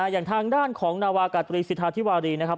อย่างทางด้านของนาวากาตรีสิทธาธิวารีนะครับ